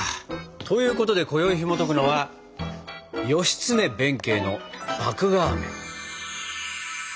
ということでこよいひもとくのは「義経弁慶の麦芽あめ」。